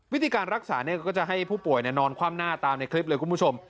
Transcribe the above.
วิธีการรักษาก็จะให้ผู้ป่วยนอนคว่ำหน้าตามในคลิปเลยคุณผู้ชม